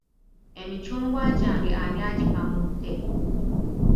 Emicungwa gyange ani agikamudde?